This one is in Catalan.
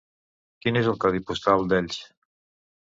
Quin és el codi postal d'Elx?